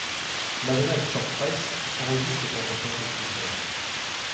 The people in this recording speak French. Madonna et Stuart Price enregistrent dans l'appartement du producteur.